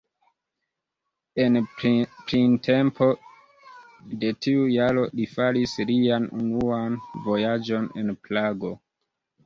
En printempo de tiu jaro li faris lian unuan vojaĝon en Prago.